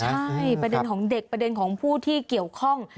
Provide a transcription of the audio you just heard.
ใช่ประเด็นของเด็กประเด็นของผู้ที่เกี่ยวข้อง